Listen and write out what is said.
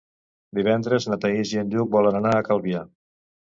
Divendres na Thaís i en Lluc volen anar a Calvià.